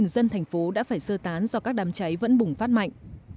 một mươi bốn dân thành phố đã phải sơ tán do các đám cháy vẫn bùng phát mạnh